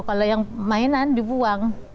kalau yang mainan dibuang